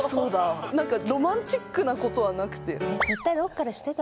なんかロマンチックなことはなくて。